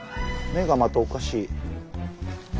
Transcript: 目がまたおかしい。